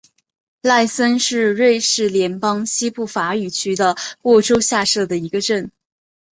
莱森是瑞士联邦西部法语区的沃州下设的一个镇。